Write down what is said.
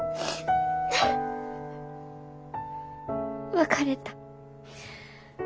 別れた。